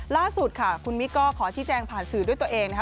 ล่าสุดค่ะคุณมิ๊กก็ขอชี้แจงผ่านสื่อด้วยตัวเองนะคะ